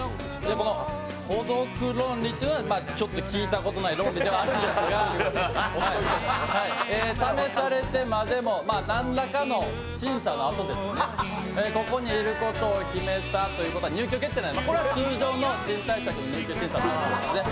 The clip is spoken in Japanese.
この孤独論理というのは、ちょっと聞いたことない論理ではあるんですが、試されてまでも、何らかの審査のあとですね、ここにいることを決めたということは入居決定、これは通常の賃貸借の入居審査の話ですね。